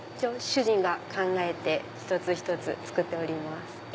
主人が考えて一つ一つ作っております。